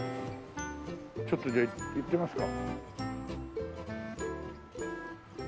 ちょっとじゃあ行ってみますか。